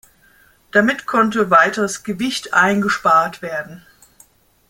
Damit konnte weiteres Gewicht eingespart werden.